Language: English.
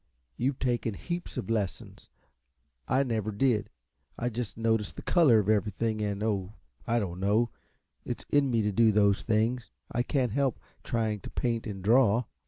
"You've taken heaps of lessons, and I never did. I just noticed the color of everything, and oh, I don't know it's in me to do those things. I can't help trying to paint and draw."